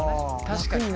確かに。